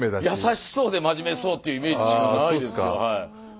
優しそうで真面目そうっていうイメージしかないですよ。